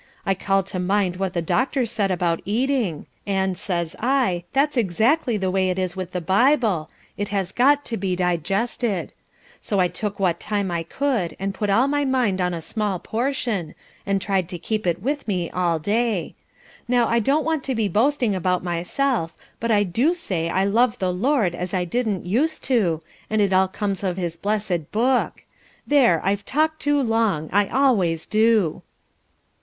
I called to mind what the doctor said about eating, and says I, that's exactly the way it is with the Bible, it has got to be digested; so I took what time I could and put all my mind on a small portion, and tried to keep it with me all day. Now I don't want to be boasting about myself, but I do say I love the Lord as I didn't used to, and it all comes of his blessed Book. There, I've talked too long! I always do."